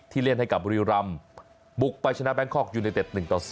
ที่เล่นให้กับริรัมบุกไปชนะแบงค์คอร์กยูเนเต็ด๑๐